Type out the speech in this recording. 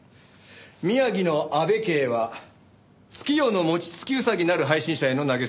宮城の阿部家へは「月夜の餅つきウサギ」なる配信者への投げ銭を要求。